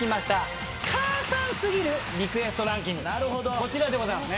こちらでございますね。